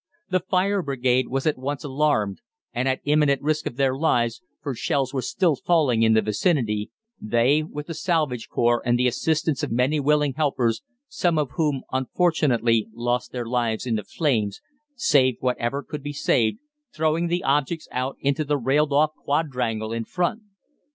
The fire brigade was at once alarmed, and at imminent risk of their lives, for shells were still falling in the vicinity, they, with the Salvage Corps and the assistance of many willing helpers some of whom, unfortunately, lost their lives in the flames saved whatever could be saved, throwing the objects out into the railed off quadrangle in front.